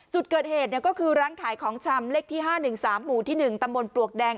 จุดเกิดเหตุก็คือร้านขายของชำเลขที่๕๑๓หมู่ที่๑ตำบลปลวกแดง